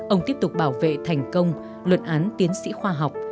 ông tiếp tục bảo vệ thành công luận án tiến sĩ khoa học